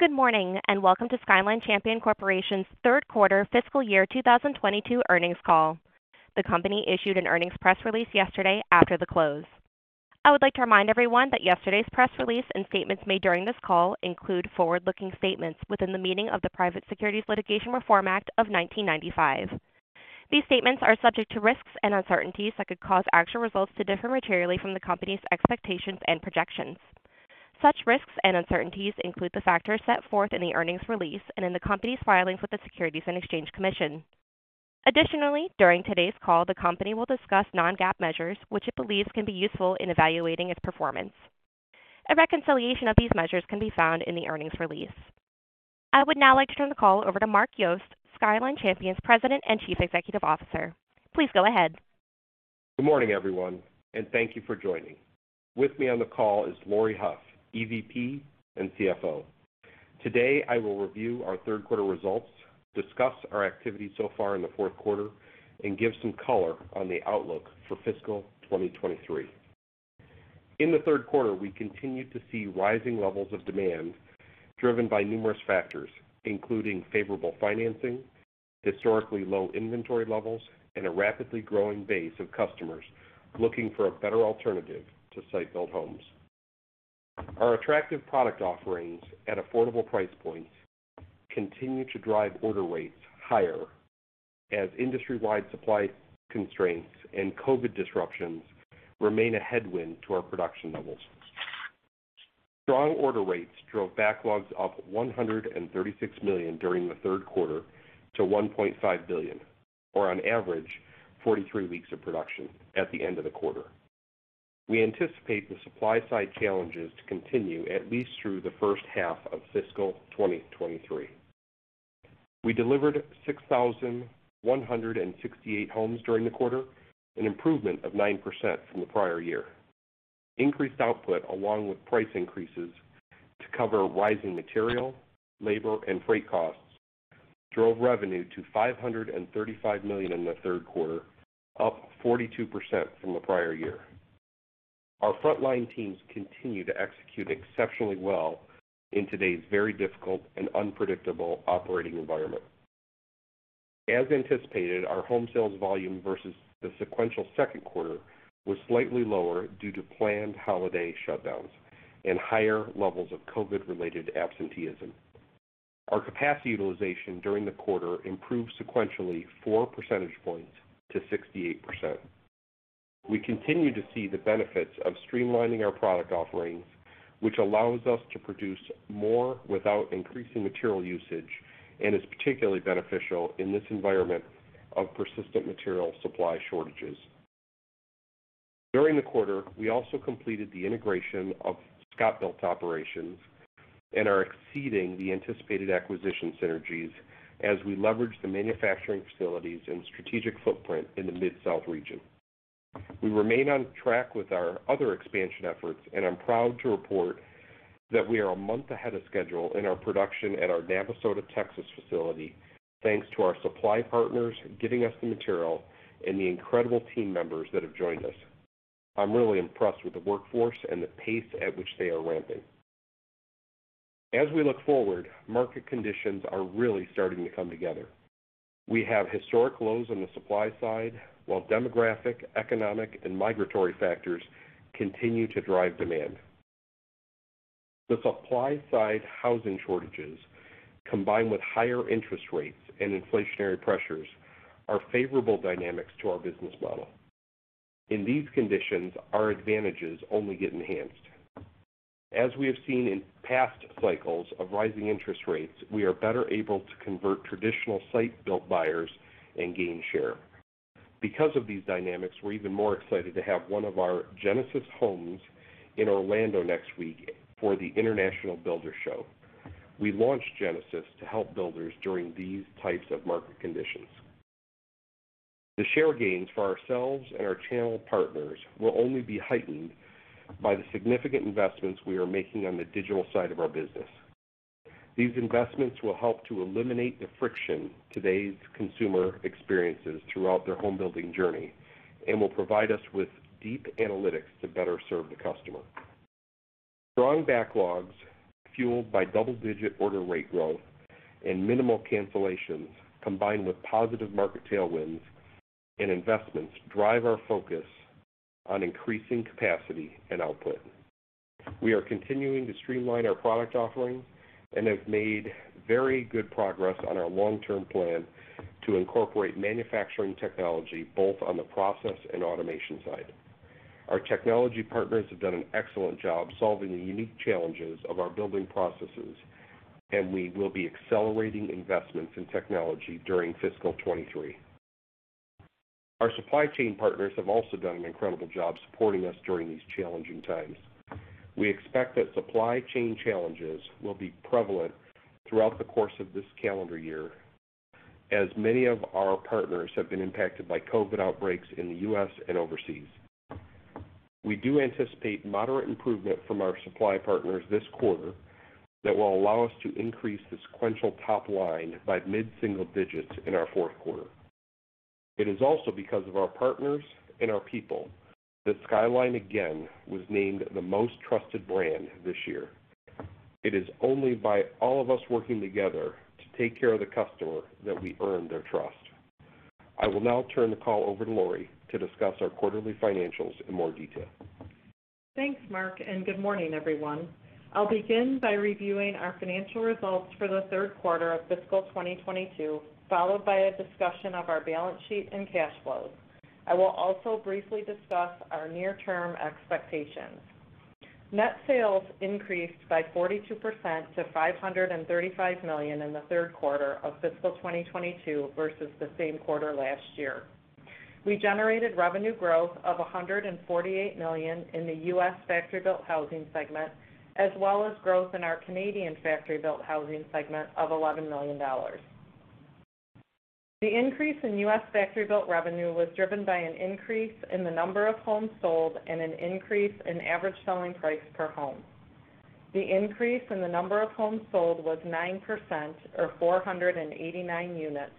Good morning, and welcome to Skyline Champion Corporation's Third Quarter Fiscal Year 2022 Earnings Call. The company issued an earnings press release yesterday after the close. I would like to remind everyone that yesterday's press release and statements made during this call include forward-looking statements within the meaning of the Private Securities Litigation Reform Act of 1995. These statements are subject to risks and uncertainties that could cause actual results to differ materially from the company's expectations and projections. Such risks and uncertainties include the factors set forth in the earnings release and in the company's filings with the Securities and Exchange Commission. Additionally, during today's call, the company will discuss non-GAAP measures, which it believes can be useful in evaluating its performance. A reconciliation of these measures can be found in the earnings release. I would now like to turn the call over to Mark Yost, Skyline Champion's President and Chief Executive Officer. Please go ahead. Good morning, everyone, and thank you for joining. With me on the call is Laurie Hough, EVP and CFO. Today, I will review our third-quarter results, discuss our activities so far in the fourth quarter, and give some color on the outlook for fiscal 2023. In the third quarter, we continued to see rising levels of demand driven by numerous factors, including favorable financing, historically low inventory levels, and a rapidly growing base of customers looking for a better alternative to site-built homes. Our attractive product offerings at affordable price points continue to drive order rates higher as industry-wide supply constraints and COVID disruptions remain a headwind to our production levels. Strong order rates drove backlogs up $136 million during the third quarter to $1.5 billion, or on average, 43 weeks of production at the end of the quarter. We anticipate the supply-side challenges to continue at least through the first half of fiscal 2023. We delivered 6,168 homes during the quarter, an improvement of 9% from the prior year. Increased output, along with price increases to cover rising material, labor, and freight costs, drove revenue to $535 million in the third quarter, up 42% from the prior year. Our frontline teams continue to execute exceptionally well in today's very difficult and unpredictable operating environment. As anticipated, our home sales volume versus the sequential second quarter was slightly lower due to planned holiday shutdowns and higher levels of COVID-related absenteeism. Our capacity utilization during the quarter improved sequentially 4 percentage points to 68%. We continue to see the benefits of streamlining our product offerings, which allows us to produce more without increasing material usage and is particularly beneficial in this environment of persistent material supply shortages. During the quarter, we also completed the integration of ScotBilt operations and are exceeding the anticipated acquisition synergies as we leverage the manufacturing facilities and strategic footprint in the Mid-South region. We remain on track with our other expansion efforts, and I'm proud to report that we are a month ahead of schedule in our production at our Navasota, Texas facility, thanks to our supply partners giving us the material and the incredible team members that have joined us. I'm really impressed with the workforce and the pace at which they are ramping. As we look forward, market conditions are really starting to come together. We have historic lows on the supply side, while demographic, economic, and migratory factors continue to drive demand. The supply-side housing shortages, combined with higher interest rates and inflationary pressures, are favorable dynamics to our business model. In these conditions, our advantages only get enhanced. As we have seen in past cycles of rising interest rates, we are better able to convert traditional site-built buyers and gain share. Because of these dynamics, we're even more excited to have one of our Genesis homes in Orlando next week for the International Builders' Show. We launched Genesis to help builders during these types of market conditions. The share gains for ourselves and our channel partners will only be heightened by the significant investments we are making on the digital side of our business. These investments will help to eliminate the friction today's consumer experiences throughout their home-building journey and will provide us with deep analytics to better serve the customer. Strong backlogs fueled by double-digit order rate growth and minimal cancellations, combined with positive market tailwinds and investments, drive our focus on increasing capacity and output. We are continuing to streamline our product offerings and have made very good progress on our long-term plan to incorporate manufacturing technology both on the process and automation side. Our technology partners have done an excellent job solving the unique challenges of our building processes, and we will be accelerating investments in technology during fiscal 2023. Our supply chain partners have also done an incredible job supporting us during these challenging times. We expect that supply chain challenges will be prevalent throughout the course of this calendar year, as many of our partners have been impacted by COVID outbreaks in the U.S. and overseas. We do anticipate moderate improvement from our supply partners this quarter that will allow us to increase the sequential top line by mid-single digits in our fourth quarter. It is also because of our partners and our people that Skyline again was named the most trusted brand this year. It is only by all of us working together to take care of the customer that we earn their trust. I will now turn the call over to Laurie to discuss our quarterly financials in more detail. Thanks, Mark, and good morning, everyone. I'll begin by reviewing our financial results for the third quarter of fiscal 2022, followed by a discussion of our balance sheet and cash flows. I will also briefly discuss our near-term expectations. Net sales increased by 42% to $535 million in the third quarter of fiscal 2022 versus the same quarter last year. We generated revenue growth of $148 million in the U.S. factory-built housing segment, as well as growth in our Canadian factory-built housing segment of $11 million. The increase in U.S. factory-built revenue was driven by an increase in the number of homes sold and an increase in average selling price per home. The increase in the number of homes sold was 9% or 489 units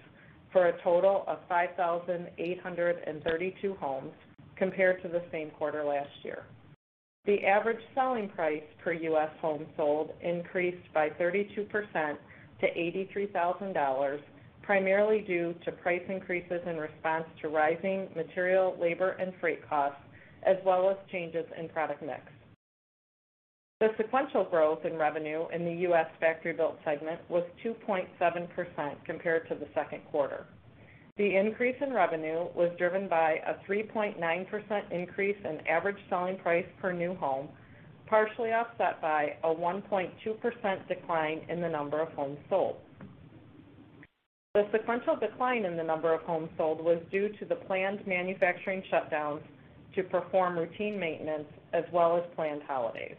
for a total of 5,832 homes compared to the same quarter last year. The average selling price per U.S. home sold increased by 32% to $83,000, primarily due to price increases in response to rising material, labor, and freight costs, as well as changes in product mix. The sequential growth in revenue in the U.S. factory-built housing segment was 2.7% compared to the second quarter. The increase in revenue was driven by a 3.9% increase in average selling price per new home, partially offset by a 1.2% decline in the number of homes sold. The sequential decline in the number of homes sold was due to the planned manufacturing shutdowns to perform routine maintenance as well as planned holidays.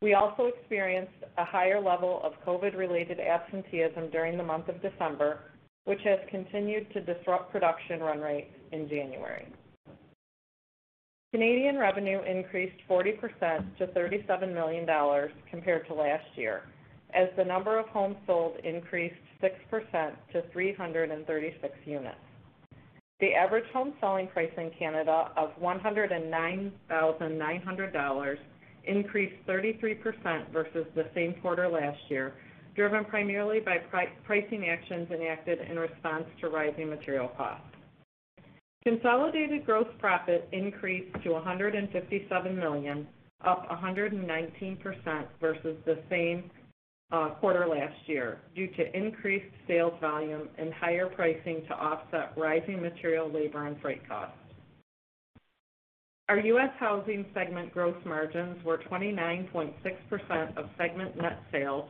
We also experienced a higher level of COVID-related absenteeism during the month of December, which has continued to disrupt production run rates in January. Canadian revenue increased 40% to 37 million dollars compared to last year, as the number of homes sold increased 6% to 336 units. The average home selling price in Canada of 109,900 dollars increased 33% versus the same quarter last year, driven primarily by pricing actions enacted in response to rising material costs. Consolidated gross profit increased to $157 million, up 119% versus the same quarter last year due to increased sales volume and higher pricing to offset rising material, labor, and freight costs. Our U.S. housing segment gross margins were 29.6% of segment net sales,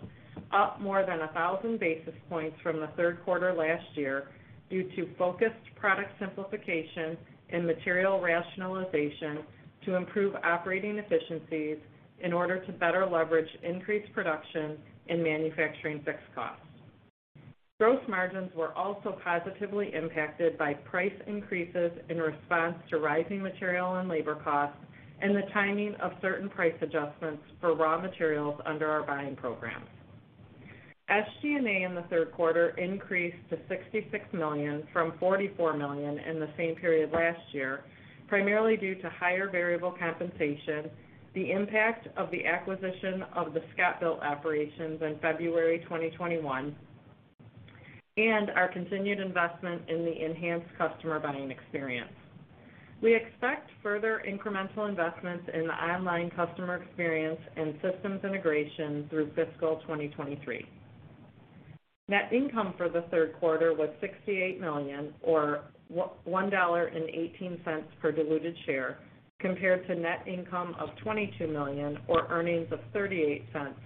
up more than 1,000 basis points from the third quarter last year due to focused product simplification and material rationalization to improve operating efficiencies in order to better leverage increased production and manufacturing fixed costs. Gross margins were also positively impacted by price increases in response to rising material and labor costs and the timing of certain price adjustments for raw materials under our buying programs. SG&A in the third quarter increased to $66 million from $44 million in the same period last year, primarily due to higher variable compensation, the impact of the acquisition of the ScotBilt operations in February 2021, and our continued investment in the enhanced customer buying experience. We expect further incremental investments in the online customer experience and systems integration through fiscal 2023. Net income for the third quarter was $68 million or $1.18 per diluted share compared to net income of $22 million or earnings of $0.38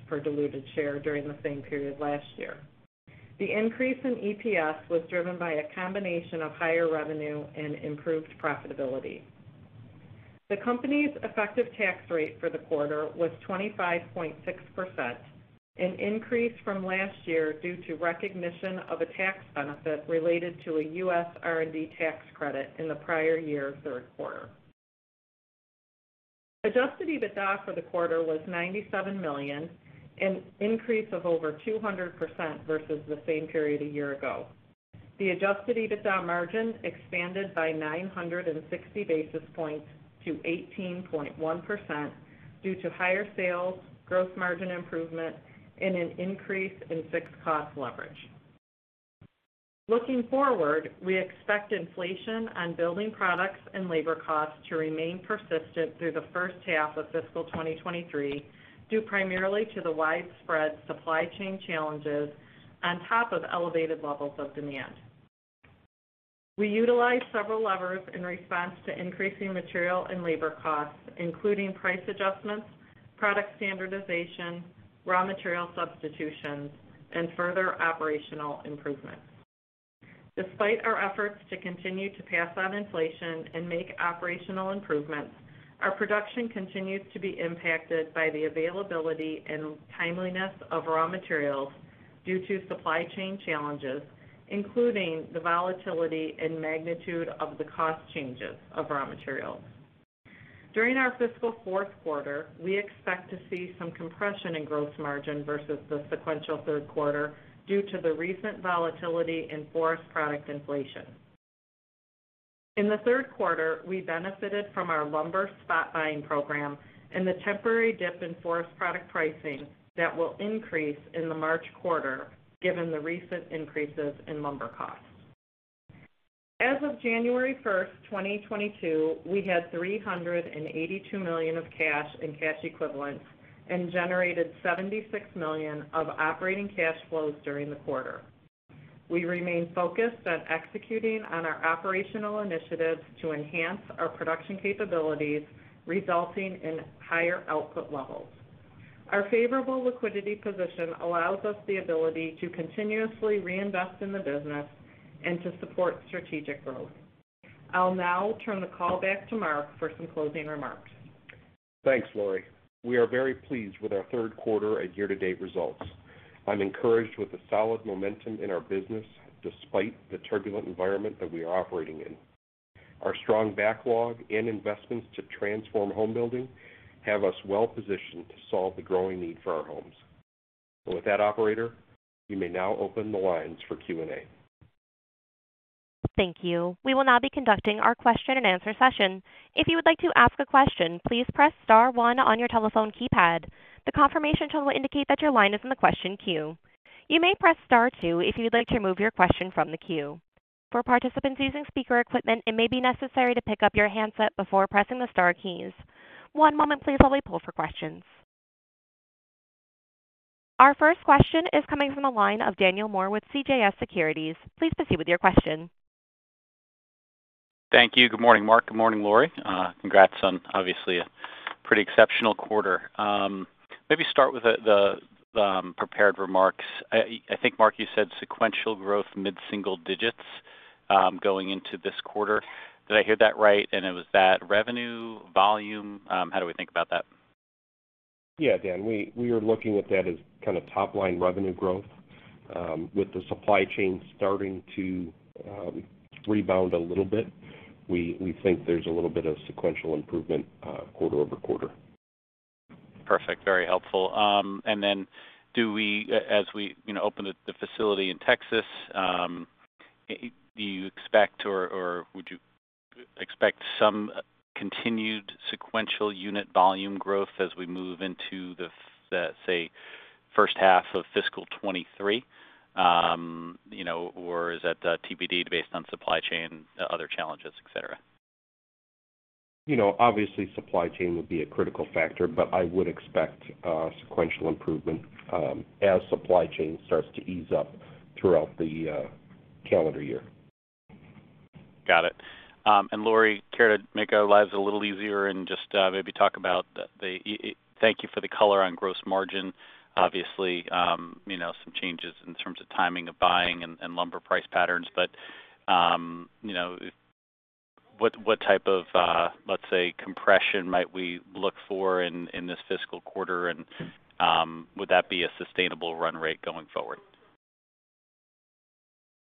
per diluted share during the same period last year. The increase in EPS was driven by a combination of higher revenue and improved profitability. The company's effective tax rate for the quarter was 25.6%, an increase from last year due to recognition of a tax benefit related to a U.S. R&D tax credit in the prior year third quarter. Adjusted EBITDA for the quarter was $97 million, an increase of over 200% versus the same period a year ago. The adjusted EBITDA margin expanded by 960 basis points to 18.1% due to higher sales, gross margin improvement, and an increase in fixed cost leverage. Looking forward, we expect inflation on building products and labor costs to remain persistent through the first half of fiscal 2023, due primarily to the widespread supply chain challenges on top of elevated levels of demand. We utilized several levers in response to increasing material and labor costs, including price adjustments, product standardization, raw material substitutions, and further operational improvements. Despite our efforts to continue to pass on inflation and make operational improvements, our production continues to be impacted by the availability and timeliness of raw materials due to supply chain challenges, including the volatility and magnitude of the cost changes of raw materials. During our fiscal fourth quarter, we expect to see some compression in gross margin versus the sequential third quarter due to the recent volatility in forest product inflation. In the third quarter, we benefited from our lumber spot buying program and the temporary dip in forest product pricing that will increase in the March quarter given the recent increases in lumber costs. As of January 1st, 2022, we had $382 million of cash and cash equivalents and generated $76 million of operating cash flows during the quarter. We remain focused on executing on our operational initiatives to enhance our production capabilities, resulting in higher output levels. Our favorable liquidity position allows us the ability to continuously reinvest in the business and to support strategic growth. I'll now turn the call back to Mark for some closing remarks. Thanks, Laurie. We are very pleased with our third quarter and year-to-date results. I'm encouraged with the solid momentum in our business despite the turbulent environment that we are operating in. Our strong backlog and investments to transform home building have us well-positioned to solve the growing need for our homes. With that, operator, you may now open the lines for Q&A. Thank you. We will now be conducting our question-and-answer session. If you would like to ask a question, please press star one on your telephone keypad. The confirmation tone will indicate that your line is in the question queue. You may press star two if you'd like to remove your question from the queue. For participants using speaker equipment, it may be necessary to pick up your handset before pressing the star keys. One moment please while we poll for questions. Our first question is coming from the line of Daniel Moore with CJS Securities. Please proceed with your question. Thank you. Good morning, Mark. Good morning, Laurie. Congrats on obviously a pretty exceptional quarter. Maybe start with the prepared remarks. I think, Mark, you said sequential growth mid-single digits going into this quarter. Did I hear that right? It was that revenue, volume, how do we think about that? Yeah, Dan, we are looking at that as kind of top-line revenue growth. With the supply chain starting to rebound a little bit, we think there's a little bit of sequential improvement quarter-over-quarter. Perfect. Very helpful. Do we, as we, you know, open the facility in Texas, do you expect or would you expect some continued sequential unit volume growth as we move into the, say, first half of fiscal 2023? You know, or is that TBD based on supply chain, other challenges, etc.? You know, obviously supply chain would be a critical factor, but I would expect sequential improvement as supply chain starts to ease up throughout the calendar year. Got it. Laurie, care to make our lives a little easier? Thank you for the color on gross margin. Obviously, you know, some changes in terms of timing of buying and lumber price patterns. You know, what type of, let's say, compression might we look for in this fiscal quarter? Would that be a sustainable run rate going forward?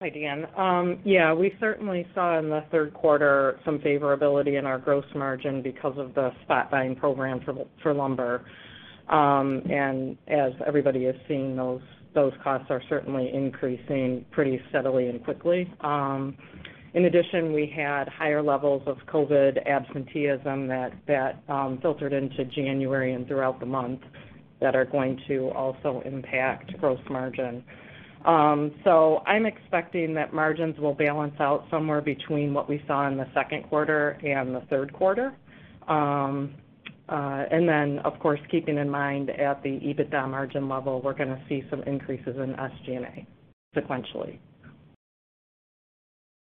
Hi, Dan. Yeah, we certainly saw in the third quarter some favorability in our gross margin because of the spot buying program for lumber. As everybody is seeing, those costs are certainly increasing pretty steadily and quickly. In addition, we had higher levels of COVID absenteeism that filtered into January and throughout the month that are going to also impact gross margin. I'm expecting that margins will balance out somewhere between what we saw in the second quarter and the third quarter. Of course, keeping in mind at the EBITDA margin level, we're gonna see some increases in SG&A sequentially.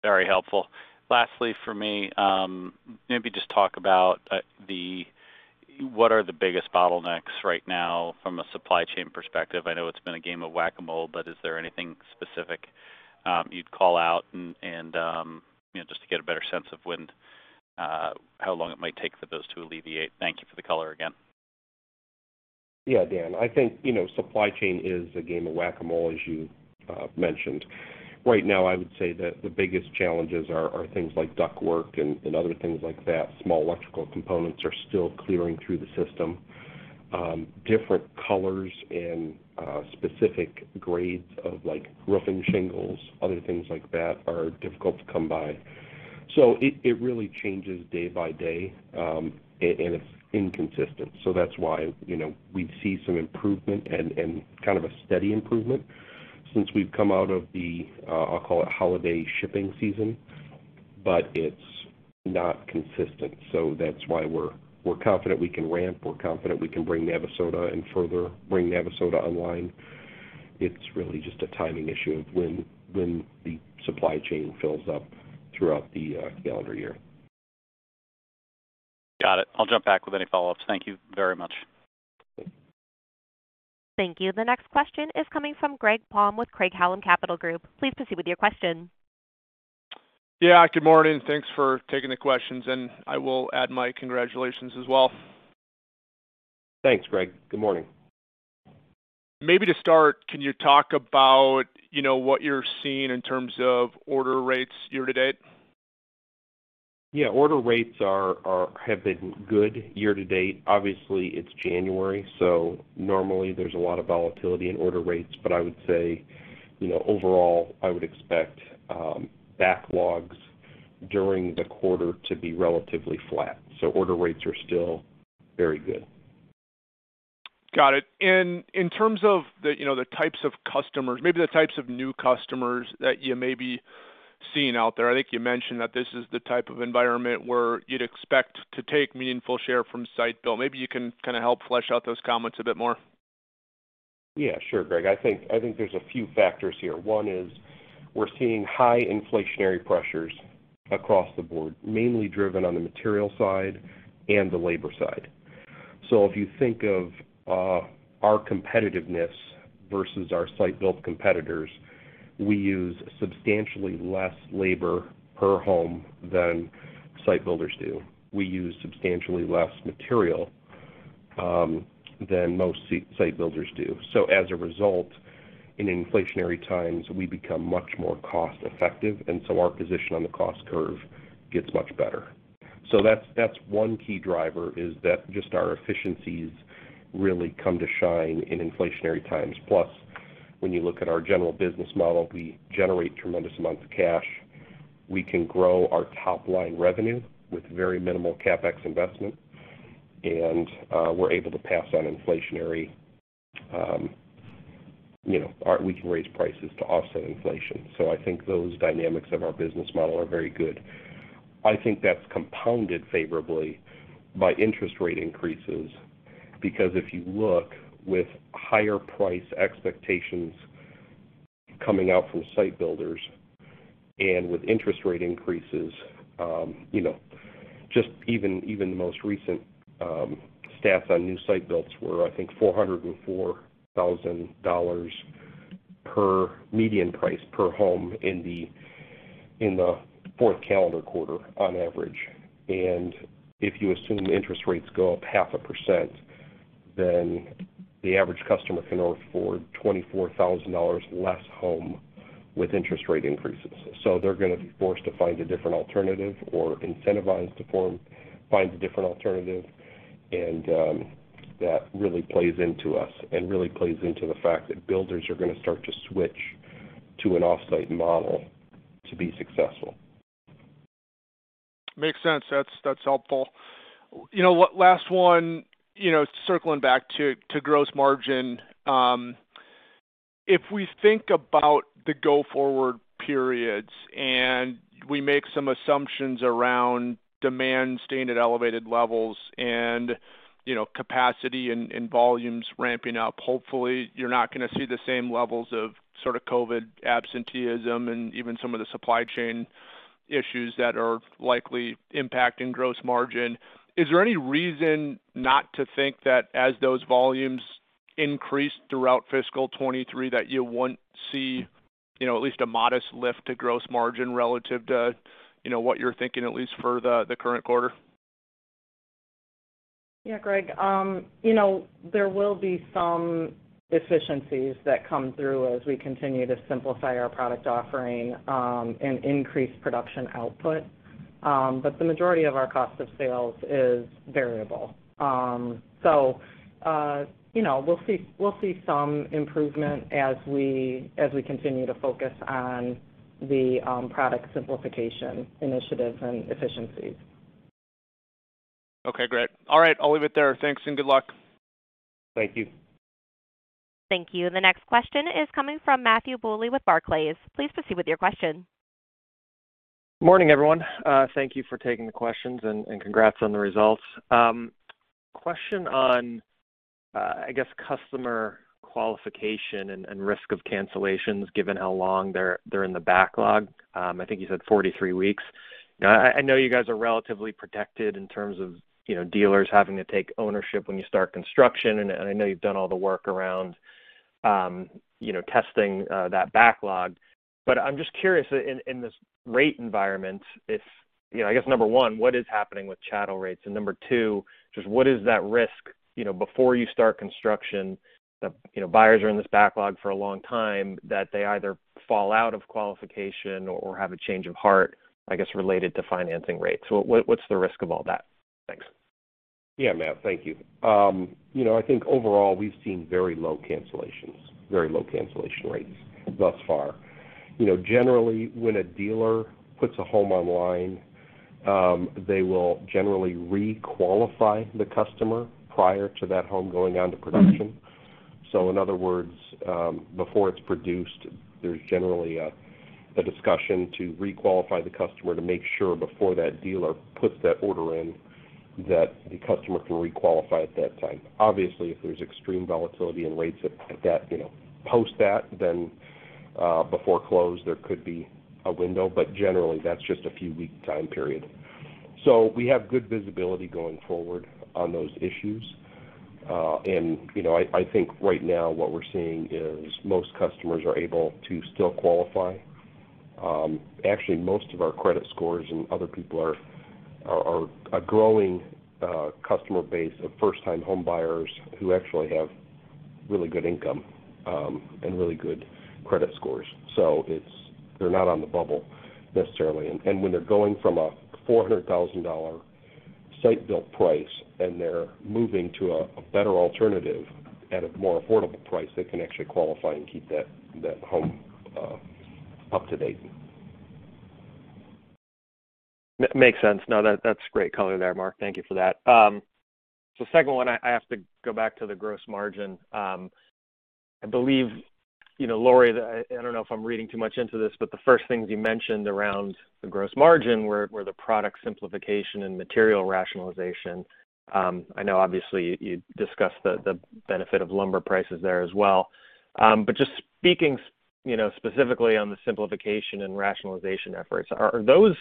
Very helpful. Lastly for me, maybe just talk about what are the biggest bottlenecks right now from a supply chain perspective? I know it's been a game of Whac-A-Mole, but is there anything specific you'd call out and you know, just to get a better sense of when how long it might take for those to alleviate. Thank you for the color again. Yeah, Daniel, I think, you know, supply chain is a game of Whac-A-Mole, as you mentioned. Right now, I would say that the biggest challenges are things like duct work and other things like that. Small electrical components are still clearing through the system. Different colors and specific grades of like roofing shingles, other things like that are difficult to come by. It really changes day by day, and it's inconsistent. That's why, you know, we'd see some improvement and kind of a steady improvement since we've come out of the, I'll call it holiday shipping season, but it's not consistent. That's why we're confident we can ramp. We're confident we can bring Navasota and further bring Navasota online. It's really just a timing issue of when the supply chain fills up throughout the calendar year. Got it. I'll jump back with any follow-ups. Thank you very much. Thank you. The next question is coming from Greg Palm with Craig-Hallum Capital Group. Please proceed with your question. Yeah, good morning. Thanks for taking the questions, and I will add my congratulations as well. Thanks, Greg. Good morning. Maybe to start, can you talk about, you know, what you're seeing in terms of order rates year-to-date? Yeah. Order rates have been good year-to-date. Obviously, it's January, so normally there's a lot of volatility in order rates. I would say, you know, overall, I would expect backlogs during the quarter to be relatively flat. Order rates are still very good. Got it. In terms of the, you know, the types of customers, maybe the types of new customers that you may be seeing out there, I think you mentioned that this is the type of environment where you'd expect to take meaningful share from site build. Maybe you can kind of help flesh out those comments a bit more. Yeah, sure, Greg. I think there's a few factors here. One is we're seeing high inflationary pressures across the board, mainly driven on the material side and the labor side. If you think of our competitiveness versus our site build competitors, we use substantially less labor per home than site builders do. We use substantially less material than most site builders do. As a result, in inflationary times, we become much more cost-effective, and our position on the cost curve gets much better. That's one key driver, is that just our efficiencies really come to shine in inflationary times. Plus, when you look at our general business model, we generate tremendous amounts of cash. We can grow our top-line revenue with very minimal CapEx investment, and we're able to pass on inflationary, you know. We can raise prices to offset inflation. I think those dynamics of our business model are very good. I think that's compounded favorably by interest rate increases, because if you look with higher price expectations coming out from site builders and with interest rate increases, you know, just even the most recent stats on new site builds were, I think, $404,000 median price per home in the fourth calendar quarter on average. If you assume interest rates go up 0.5%, then the average customer can afford $24,000 less home with interest rate increases. They're gonna be forced to find a different alternative or incentivized to find a different alternative that really plays into us and really plays into the fact that builders are gonna start to switch to an off-site model to be successful. Makes sense. That's helpful. You know, last one, you know, circling back to gross margin. If we think about the go-forward periods, and we make some assumptions around demand staying at elevated levels and, you know, capacity and volumes ramping up, hopefully you're not gonna see the same levels of sort of COVID absenteeism and even some of the supply chain issues that are likely impacting gross margin. Is there any reason not to think that as those volumes increase throughout fiscal 2023, that you won't see, you know, at least a modest lift to gross margin relative to, you know, what you're thinking at least for the current quarter? Yeah, Greg. You know, there will be some efficiencies that come through as we continue to simplify our product offering and increase production output. The majority of our cost of sales is variable. You know, we'll see some improvement as we continue to focus on the product simplification initiatives and efficiencies. Okay, great. All right, I'll leave it there. Thanks and good luck. Thank you. Thank you. The next question is coming from Matthew Bouley with Barclays. Please proceed with your question. Morning, everyone. Thank you for taking the questions, and congrats on the results. Question on, I guess customer qualification and risk of cancellations, given how long they're in the backlog. I think you said 43 weeks. Now, I know you guys are relatively protected in terms of, you know, dealers having to take ownership when you start construction, and I know you've done all the work around, you know, testing that backlog. I'm just curious, in this rate environment, if you know, I guess number one, what is happening with chattel rates? Number two, just what is that risk, you know, before you start construction, the, you know, buyers are in this backlog for a long time, that they either fall out of qualification or have a change of heart, I guess, related to financing rates? What's the risk of all that? Thanks. Yeah, Matt. Thank you. You know, I think overall, we've seen very low cancellations, very low cancellation rates thus far. You know, generally, when a dealer puts a home online, they will generally re-qualify the customer prior to that home going on to production. In other words, before it's produced, there's generally a discussion to re-qualify the customer to make sure before that dealer puts that order in, that the customer can re-qualify at that time. Obviously, if there's extreme volatility in rates at that, you know, post that, then before close, there could be a window. Generally, that's just a few week time period. So we have good visibility going forward on those issues. I think right now what we're seeing is most customers are able to still qualify. Actually, most of our credit scores are good. We're growing customer base of first-time home buyers who actually have really good income and really good credit scores. They're not on the bubble necessarily. When they're going from a $400,000 site-built price and they're moving to a better alternative at a more affordable price, they can actually qualify and keep that home up to date. Makes sense. No, that's great color there, Mark. Thank you for that. Second one, I have to go back to the gross margin. I believe, you know, Laurie, the—I don't know if I'm reading too much into this, but the first things you mentioned around the gross margin were the product simplification and material rationalization. I know obviously you discussed the benefit of lumber prices there as well. Just speaking, you know, specifically on the simplification and rationalization efforts, are those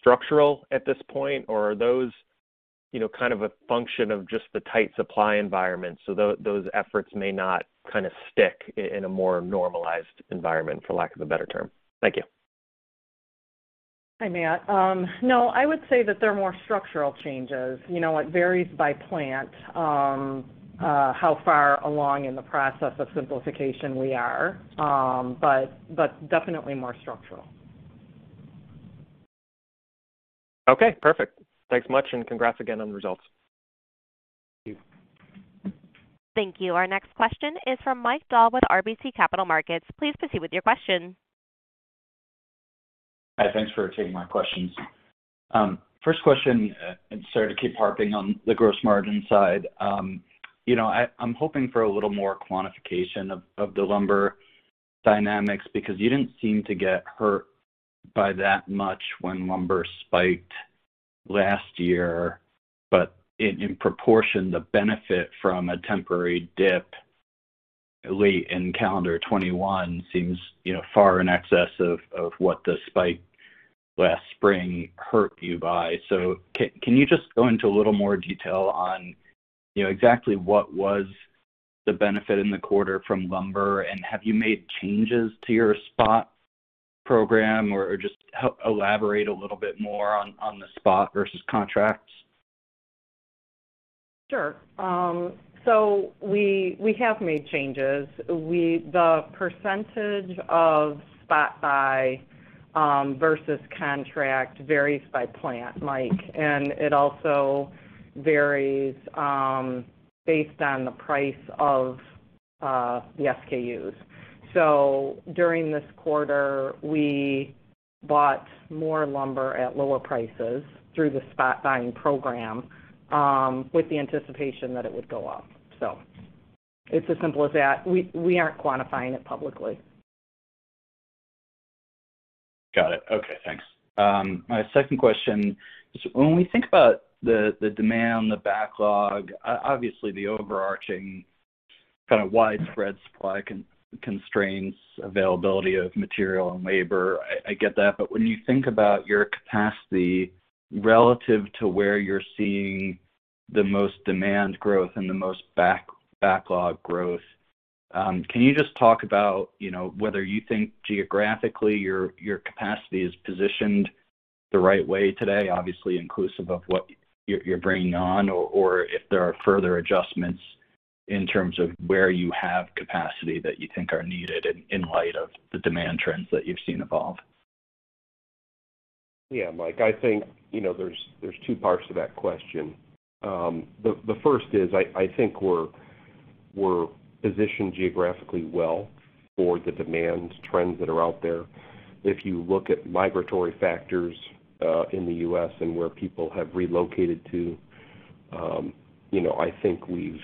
structural at this point, or are those, you know, kind of a function of just the tight supply environment? Those efforts may not kind of stick in a more normalized environment, for lack of a better term. Thank you. Hi, Matt. No, I would say that they're more structural changes. You know, it varies by plant, how far along in the process of simplification we are, but definitely more structural. Okay, perfect. Thanks much, and congrats again on the results. Thank you. Thank you. Our next question is from Mike Dahl with RBC Capital Markets. Please proceed with your question. Hi. Thanks for taking my questions. First question, and sorry to keep harping on the gross margin side. You know, I'm hoping for a little more quantification of the lumber dynamics because you didn't seem to get hurt by that much when lumber spiked last year, but in proportion, the benefit from a temporary dip late in calendar 2021 seems, you know, far in excess of what the spike last spring hurt you by. Can you just go into a little more detail on, you know, exactly what was the benefit in the quarter from lumber, and have you made changes to your spot program or just elaborate a little bit more on the spot versus contracts? Sure. We have made changes. The percentage of spot buy versus contract varies by plant, Mike, and it also varies based on the price of the SKUs. During this quarter, we bought more lumber at lower prices through the spot buying program with the anticipation that it would go up. It's as simple as that. We aren't quantifying it publicly. Got it. Okay, thanks. My second question is when we think about the demand, the backlog, obviously the overarching kind of widespread supply constrains availability of material and labor, I get that. But when you think about your capacity relative to where you're seeing the most demand growth and the most backlog growth, can you just talk about, you know, whether you think geographically your capacity is positioned the right way today, obviously inclusive of what you're bringing on, or if there are further adjustments in terms of where you have capacity that you think are needed in light of the demand trends that you've seen evolve? Yeah, Mike, I think, you know, there's two parts to that question. The first is, I think we're positioned geographically well for the demand trends that are out there. If you look at migratory factors in the U.S. and where people have relocated to, you know, I think we've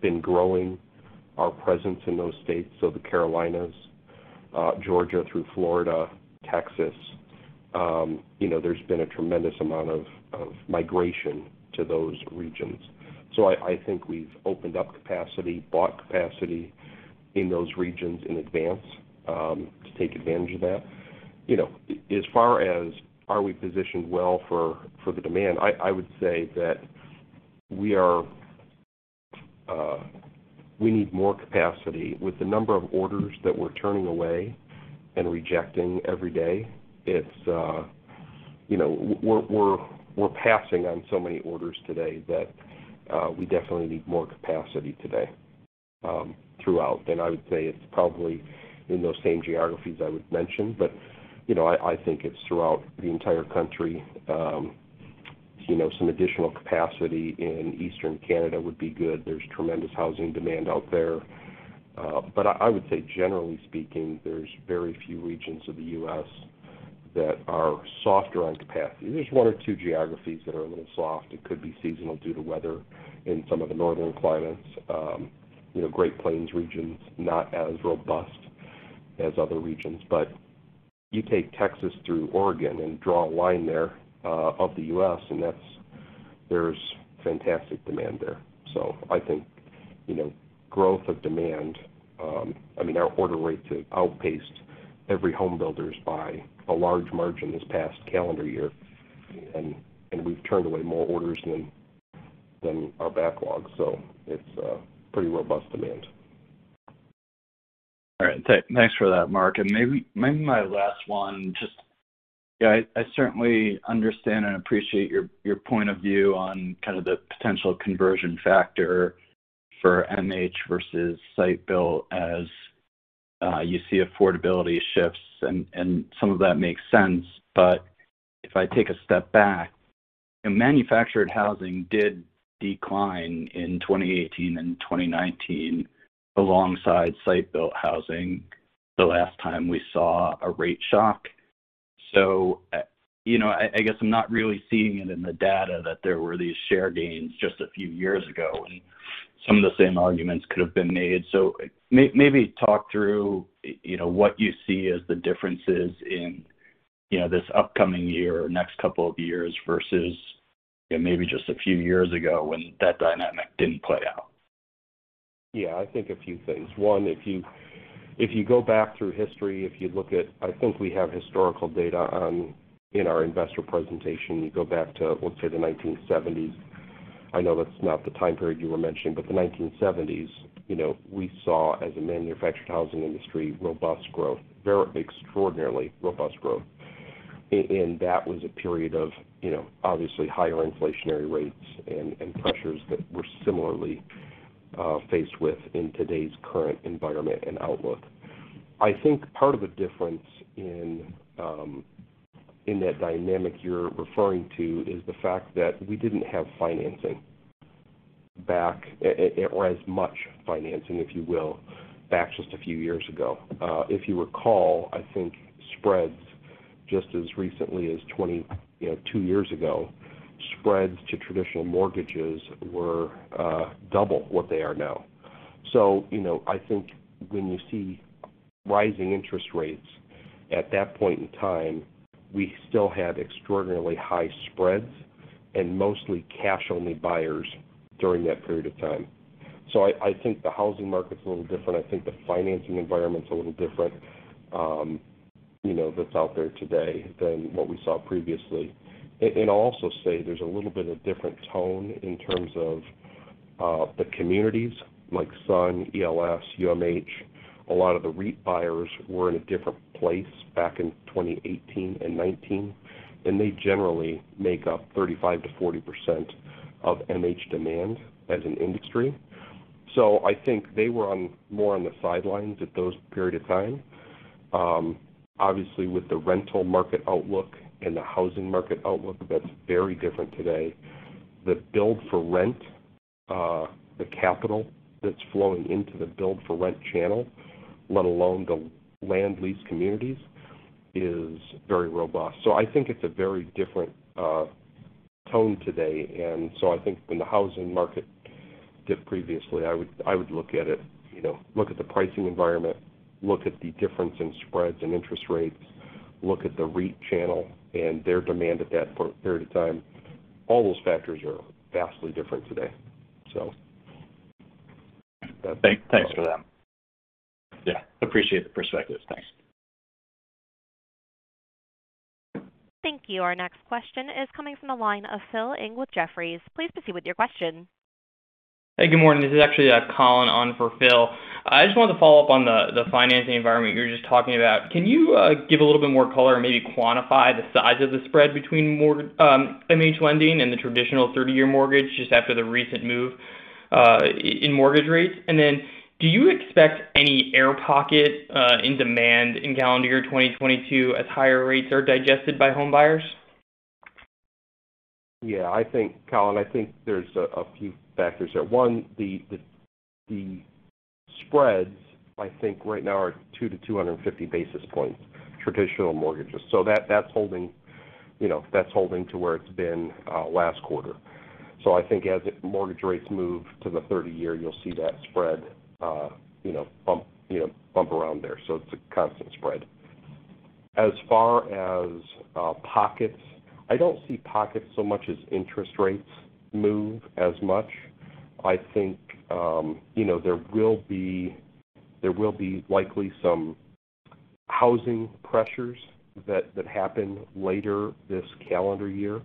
been growing our presence in those states. So the Carolinas, Georgia through Florida, Texas, you know, there's been a tremendous amount of migration to those regions. So I think we've opened up capacity, bought capacity in those regions in advance to take advantage of that. You know, as far as are we positioned well for the demand, I would say that we are, we need more capacity. With the number of orders that we're turning away and rejecting every day, it's, you know, we're passing on so many orders today that, we definitely need more capacity today, throughout. I would say it's probably in those same geographies I would mention, but, you know, I think it's throughout the entire country. You know, some additional capacity in Eastern Canada would be good. There's tremendous housing demand out there. I would say generally speaking, there's very few regions of the U.S. that are softer on capacity. There's one or two geographies that are a little soft. It could be seasonal due to weather in some of the northern climates. You know, Great Plains regions, not as robust as other regions. You take Texas through Oregon and draw a line there of the U.S., and there's fantastic demand there. I think, you know, growth of demand, I mean, our order rates have outpaced every home builders by a large margin this past calendar year. We've turned away more orders than our backlog. It's a pretty robust demand. All right, thanks for that, Mark. Maybe my last one, just. Yeah, I certainly understand and appreciate your point of view on kind of the potential conversion factor for MH versus site-built as you see affordability shifts, and some of that makes sense. If I take a step back, you know, manufactured housing did decline in 2018 and 2019 alongside site-built housing the last time we saw a rate shock. You know, I guess I'm not really seeing it in the data that there were these share gains just a few years ago, and some of the same arguments could have been made. Maybe talk through, you know, what you see as the differences in, you know, this upcoming year or next couple of years versus, you know, maybe just a few years ago when that dynamic didn't play out. Yeah. I think a few things. One, if you go back through history, if you look at, I think we have historical data in our investor presentation, you go back to, let's say, the 1970s. I know that's not the time period you were mentioning, but the 1970s, you know, we saw, as a manufactured housing industry, robust growth, very extraordinarily robust growth. And that was a period of, you know, obviously higher inflationary rates and pressures that we're similarly faced with in today's current environment and outlook. I think part of the difference in that dynamic you're referring to is the fact that we didn't have financing back or as much financing, if you will, back just a few years ago. If you recall, I think spreads just as recently as 22 years ago, spreads to traditional mortgages were double what they are now. You know, I think when you see rising interest rates, at that point in time, we still had extraordinarily high spreads and mostly cash-only buyers during that period of time. I think the housing market's a little different. I think the financing environment's a little different, you know, that's out there today than what we saw previously. And also, there's a little bit of different tone in terms of the communities like Sun, ELS, UMH. A lot of the REIT buyers were in a different place back in 2018 and 2019, and they generally make up 35%-40% of MH demand as an industry. I think they were on more on the sidelines at those period of time. Obviously, with the rental market outlook and the housing market outlook, that's very different today. The build for rent, the capital that's flowing into the build for rent channel, let alone the land lease communities, is very robust. I think it's a very different tone today. I think when the housing market dipped previously, I would look at it, you know, look at the pricing environment, look at the difference in spreads and interest rates, look at the REIT channel and their demand at that per-period of time. All those factors are vastly different today. Thanks for that. Yeah. Appreciate the perspective. Thanks. Thank you. Our next question is coming from the line of Philip Ng with Jefferies. Please proceed with your question. Hey, good morning. This is actually Colin on for Phil. I just wanted to follow up on the financing environment you were just talking about. Can you give a little bit more color or maybe quantify the size of the spread between MH lending and the traditional 30-year mortgage just after the recent move in mortgage rates? Then do you expect any air pocket in demand in calendar year 2022 as higher rates are digested by homebuyers? I think, Colin, there's a few factors there. One, the spreads I think right now are 2 basis points-250 basis points, traditional mortgages. That's holding, you know, to where it's been last quarter. I think as mortgage rates move to the 30-year, you'll see that spread bump around there. It's a constant spread. As far as pockets, I don't see pockets so much as interest rates move as much. I think there will be likely some housing pressures that happen later this calendar year.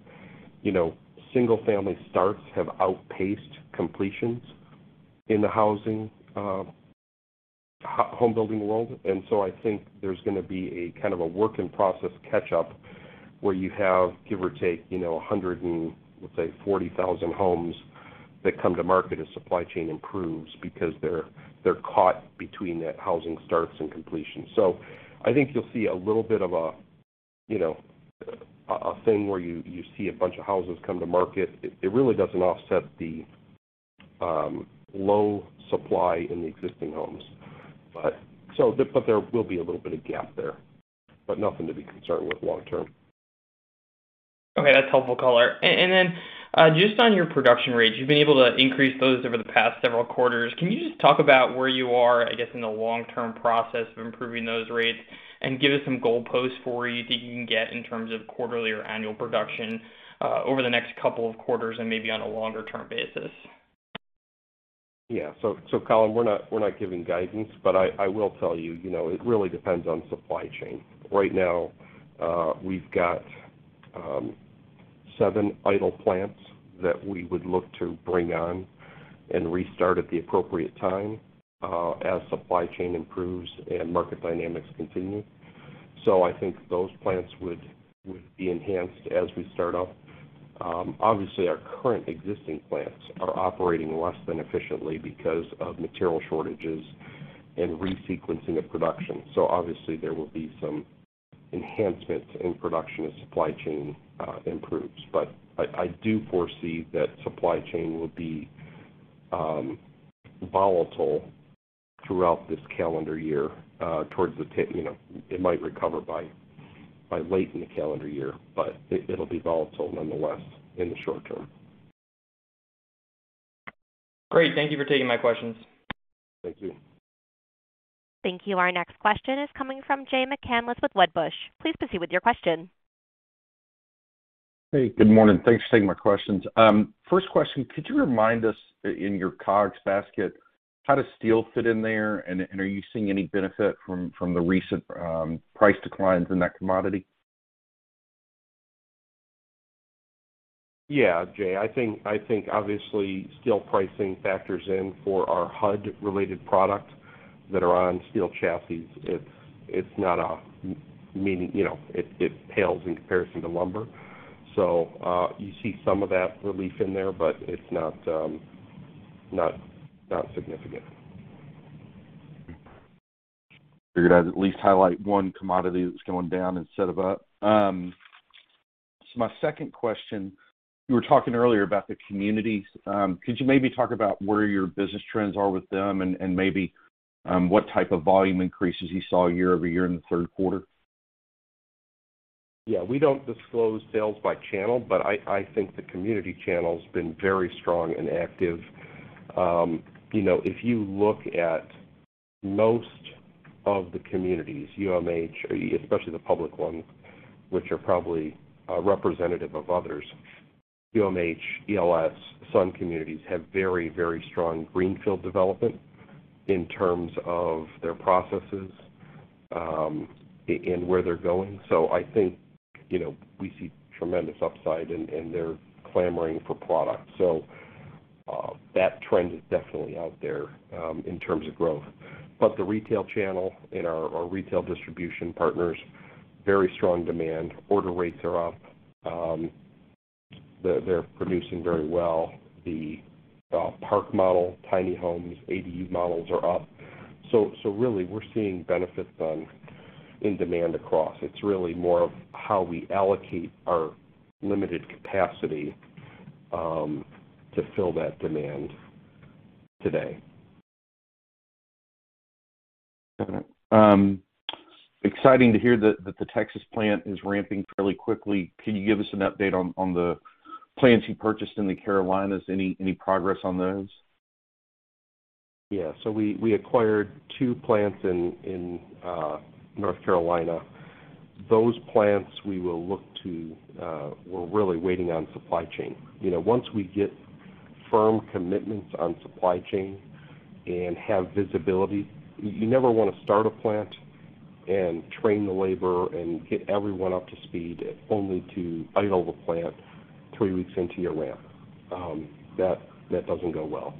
Single-family starts have outpaced completions in the housing home building world. I think there's gonna be a kind of a work in process catch up where you have give or take, you know, 140,000 homes that come to market as supply chain improves because they're caught between that housing starts and completion. I think you'll see a little bit of a, you know, a thing where you see a bunch of houses come to market. It really doesn't offset the low supply in the existing homes. There will be a little bit of gap there, but nothing to be concerned with long term. Okay. That's helpful color. Just on your production rates, you've been able to increase those over the past several quarters. Can you just talk about where you are, I guess, in the long-term process of improving those rates and give us some goalposts for where you think you can get in terms of quarterly or annual production over the next couple of quarters and maybe on a longer-term basis? Yeah. Colin, we're not giving guidance, but I will tell you know, it really depends on supply chain. Right now, we've got seven idle plants that we would look to bring on and restart at the appropriate time, as supply chain improves and market dynamics continue. I think those plants would be enhanced as we start up. Obviously, our current existing plants are operating less than efficiently because of material shortages and resequencing of production. Obviously, there will be some enhancements in production as supply chain improves. I do foresee that supply chain will be volatile throughout this calendar year, you know, it might recover by late in the calendar year, but it'll be volatile nonetheless in the short term. Great. Thank you for taking my questions. Thank you. Thank you. Our next question is coming from Jay McCanless with Wedbush. Please proceed with your question. Hey, good morning. Thanks for taking my questions. First question, could you remind us in your COGS basket, how does steel fit in there? Are you seeing any benefit from the recent price declines in that commodity? Yeah. Jay, I think obviously steel pricing factors in for our HUD-related products that are on steel chassis. It's not meaningful. You know, it pales in comparison to lumber. You see some of that relief in there, but it's not significant. Figured I'd at least highlight one commodity that's going down instead of up. My second question, you were talking earlier about the communities. Could you maybe talk about where your business trends are with them and maybe what type of volume increases you saw year-over-year in the third quarter? Yeah. We don't disclose sales by channel, but I think the community channel's been very strong and active. You know, if you look at most of the communities, UMH, especially the public ones, which are probably representative of others, ELS, Sun Communities have very, very strong greenfield development in terms of their processes, and where they're going. I think, you know, we see tremendous upside and they're clamoring for product. That trend is definitely out there in terms of growth. The retail channel and our retail distribution partners very strong demand. Order rates are up. They're producing very well. The park model, tiny homes, ADU models are up. Really we're seeing benefits in demand across. It's really more of how we allocate our limited capacity to fill that demand today. Okay. Exciting to hear that the Texas plant is ramping fairly quickly. Can you give us an update on the plants you purchased in the Carolinas? Any progress on those? We acquired two plants in North Carolina. We're really waiting on supply chain. You know, once we get firm commitments on supply chain and have visibility, you never wanna start a plant and train the labor and get everyone up to speed only to idle the plant three weeks into your ramp. That doesn't go well.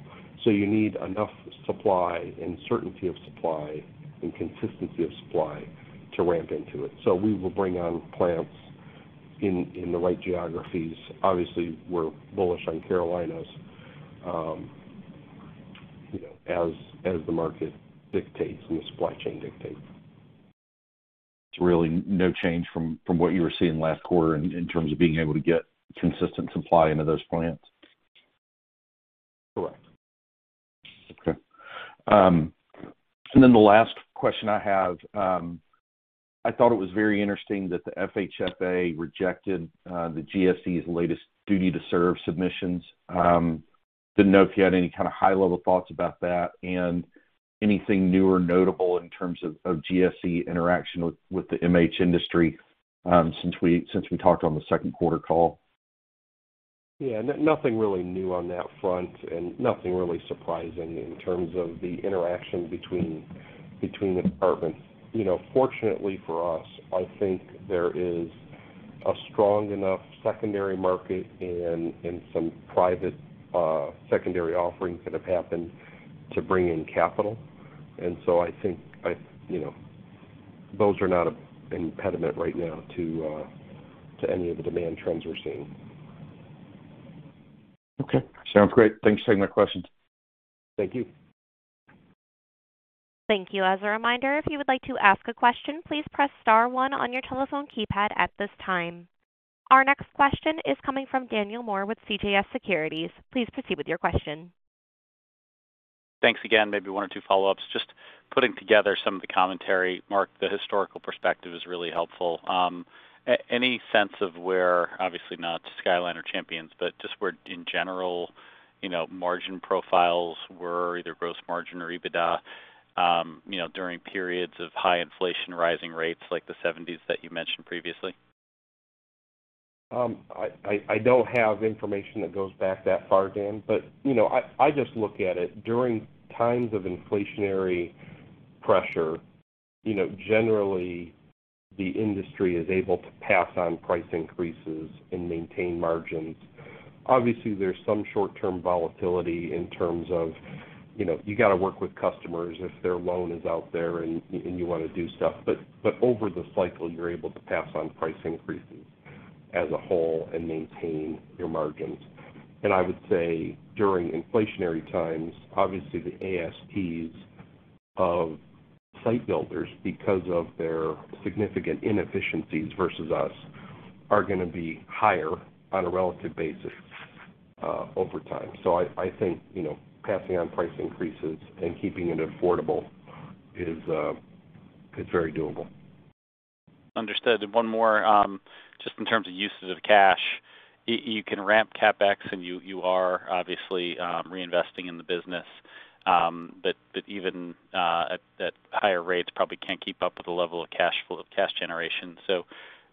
You need enough supply and certainty of supply and consistency of supply to ramp into it. We will bring on plants in the right geographies. Obviously, we're bullish on Carolinas, you know, as the market dictates and the supply chain dictates. It's really no change from what you were seeing last quarter in terms of being able to get consistent supply into those plants? Correct. Okay. The last question I have, I thought it was very interesting that the FHFA rejected the GSE's latest Duty to Serve submissions. Didn't know if you had any kind of high-level thoughts about that and anything new or notable in terms of GSE interaction with the MH industry, since we talked on the second quarter call. Yeah. No, nothing really new on that front and nothing really surprising in terms of the interaction between the departments. You know, fortunately for us, I think there is a strong enough secondary market and some private secondary offerings that have happened to bring in capital. You know, those are not an impediment right now to any of the demand trends we're seeing. Okay. Sounds great. Thanks for taking my questions. Thank you. Thank you. As a reminder, if you would like to ask a question, please press star one on your telephone keypad at this time. Our next question is coming from Daniel Moore with CJS Securities. Please proceed with your question. Thanks again. Maybe one or two follow-ups. Just putting together some of the commentary, Mark, the historical perspective is really helpful. Any sense of where, obviously not Skyline Champion, but just where in general, you know, margin profiles were, either gross margin or EBITDA, you know, during periods of high inflation rising rates like the seventies that you mentioned previously? I don't have information that goes back that far, Dan, but, you know, I just look at it during times of inflationary pressure, you know, generally the industry is able to pass on price increases and maintain margins. Obviously, there's some short-term volatility in terms of, you know, you gotta work with customers if their loan is out there and you wanna do stuff. Over the cycle, you're able to pass on price increases as a whole and maintain your margins. I would say during inflationary times, obviously the ASPs of site builders, because of their significant inefficiencies versus us, are gonna be higher on a relative basis, over time. I think, you know, passing on price increases and keeping it affordable is very doable. Understood. One more, just in terms of usage of cash. You can ramp CapEx, and you are obviously reinvesting in the business, but even at higher rates probably can't keep up with the level of cash flow, of cash generation.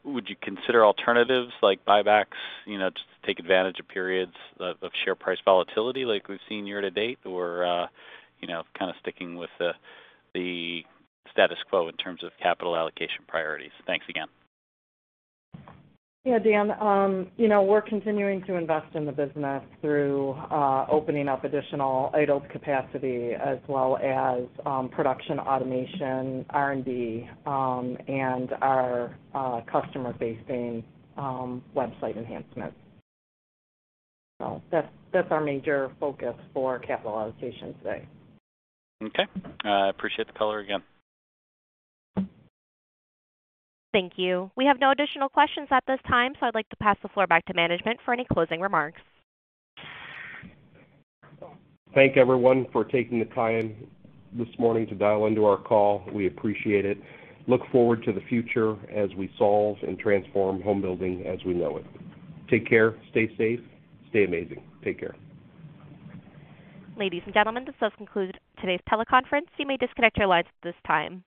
Would you consider alternatives like buybacks, you know, to take advantage of periods of share price volatility like we've seen year to date? Or, you know, kind of sticking with the status quo in terms of capital allocation priorities? Thanks again. Yeah, Dan. You know, we're continuing to invest in the business through opening up additional idled capacity as well as production automation, R&D, and our customer-facing website enhancements. That's our major focus for capital allocation today. Okay. Appreciate the color again. Thank you. We have no additional questions at this time, so I'd like to pass the floor back to management for any closing remarks. Thank everyone for taking the time this morning to dial into our call. We appreciate it. Look forward to the future as we solve and transform home building as we know it. Take care. Stay safe. Stay amazing. Take care. Ladies and gentlemen, this does conclude today's teleconference. You may disconnect your lines at this time.